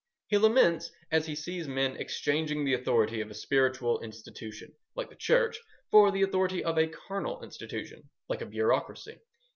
He laments as he sees men exchanging the authority of a spiritual institution, like the Church, for the authority a carnal institution, like a bureaucracy.